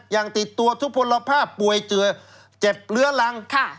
ยังติดตัวทุกผลภาพป่วยเจือเจ็บเลื้อรัง